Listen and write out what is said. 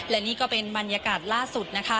แล้วนี่ก็เป็นมันยากาศล่าสุด